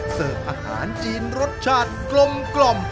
เสิร์ฟอาหารจีนรสชาติกลม